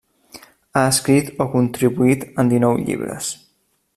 Ha escrit o contribuït en dinou llibres.